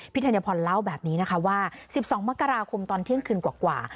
ธัญพรเล่าแบบนี้นะคะว่า๑๒มกราคมตอนเที่ยงคืนกว่า